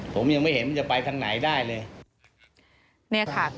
ผมยังไม่เห็นมันจะไปทางไหนได้เลย